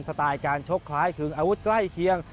สไตล์การชกคล้ายคึงอาวุธใกล้เคียง